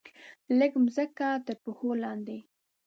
لږه مځکه ترپښو لاندې